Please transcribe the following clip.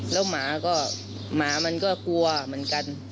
แล้วหมาก็หมามันก็กลัวเหมือนกัน